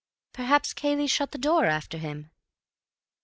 "Perhaps Cayley shut the door after him."